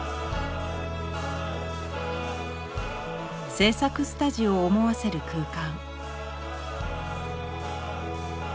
制作スタジオを思わせる空間。